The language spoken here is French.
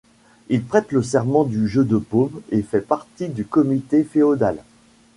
Il prête le serment du jeu de Paume et fait partie du comité féodal.